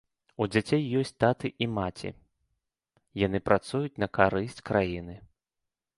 У дзяцей ёсць таты і маці, яны працуюць на карысць краіны.